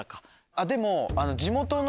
あっでも。